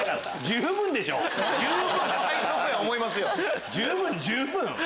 十分十分！